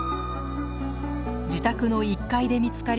自宅の１階で見つかり